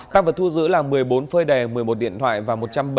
tăng vật thu giữ là một mươi bốn phơi đề một mươi một điện thoại và một trăm bảy mươi